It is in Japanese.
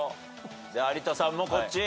有田さんもこっち。